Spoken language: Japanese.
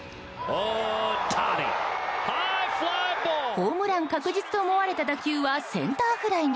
ホームラン確実と思われた打球はセンターフライに。